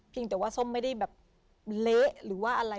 แต่ว่าส้มไม่ได้แบบเละหรือว่าอะไร